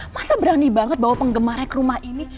masa berani banget bawa penggemarnya ke rumah ini